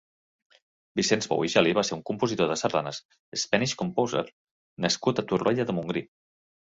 Vicenç Bou i Geli va ser un compositor de sardanes Spanish composer nascut a Torroella de Montgrí.